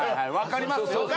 分かりますよ。